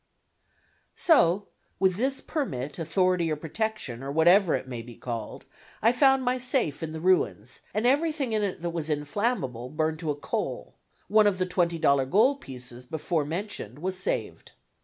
So, with this permit, authority or protection, or whatever it may be called, I found my safe in the ruins and everything in it that was inflammable burned to a coal; one of the twenty dollar gold pieces before mentioned was saved.